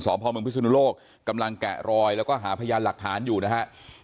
สบพฤศนโลกกำลังแกะรอยแล้วก็หาพยานหลักฐานอยู่นะครับ